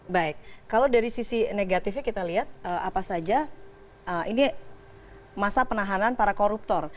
baik kalau dari sisi negatifnya kita lihat apa saja ini masa penahanan para koruptor